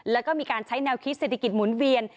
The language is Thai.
แล้วก็มีการใช้แนวคิดเศรษฐกิจหมุนเวียน